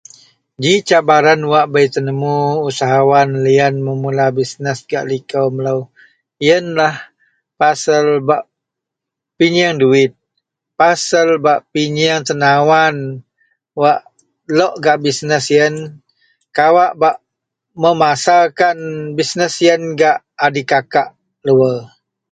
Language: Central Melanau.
Ji cabaran wak bei tenemu usahawan lian memula bisnes gak liko melo iyenlah pasel bak pinyeng duwit pasel bak pinyeng tenawan wak lok gak bisnes iyen kawak bak memasarkan bisnes iyen gak dikakak luwar.